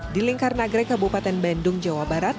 di lingkar nagrek kabupaten bandung jawa barat